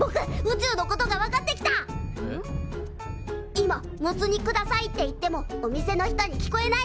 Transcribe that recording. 今「モツ煮下さい」って言ってもお店の人に聞こえないんだね。